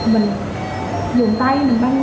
mình dùng tay mình băng